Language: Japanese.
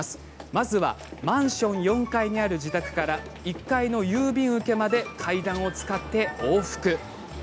まずはマンション４階にある自宅から、１階の郵便受けまで階段を使って往復。